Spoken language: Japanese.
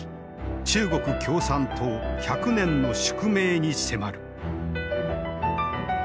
中国共産党１００年の宿命に迫る。